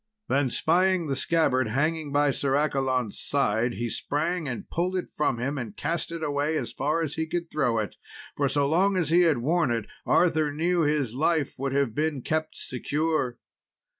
Then spying the scabbard hanging by Sir Accolon's side, he sprang and pulled it from him, and cast it away as far as he could throw it; for so long as he had worn it, Arthur new his life would have been kept secure.